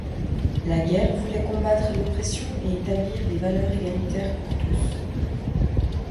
La guerre voulait combattre l'oppression et établir des valeurs égalitaires pour tous.